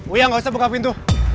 uya gak usah buka pintu